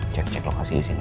cek cek lokasi di sini